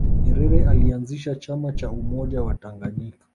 nyerere alianzisha chama cha umoja wa tanganyika